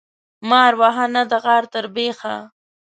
مار وهه ، نه د غار تر بيخه.